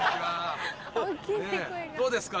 どうですか？